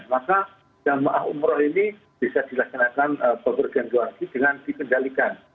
maka jamaah umroh ini bisa dilaksanakan berpergian ke luar negeri dengan dikendalikan